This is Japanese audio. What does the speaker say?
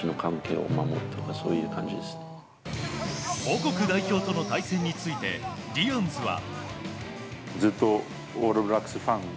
母国代表との対戦についてディアンズは。